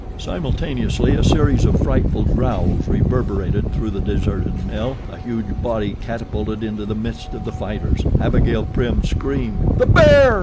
Simultaneously a series of frightful growls reverberated through the deserted mill. A huge body catapulted into the midst of the fighters. Abigail Prim screamed. "The bear!"